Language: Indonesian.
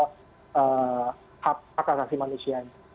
hak akalasi manusia ini